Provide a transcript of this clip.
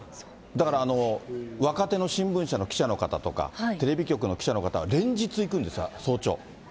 だから若手の新聞社の記者の方とか、テレビ局の記者の方は、連日行くんです、早朝。